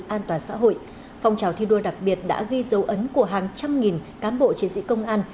an toàn xã hội phong trào thi đua đặc biệt đã ghi dấu ấn của hàng trăm nghìn cán bộ chiến sĩ công an